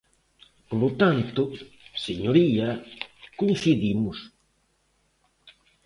Polo tanto, señoría, coincidimos.